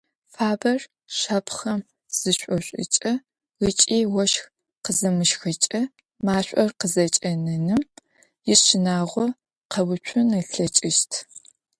Фабэр шапхъэм зышӏокӏыкӏэ ыкӏи ощх къыземыщхыкӏэ машӏор къызэкӏэнэным ищынагъо къэуцун ылъэкӏыщт.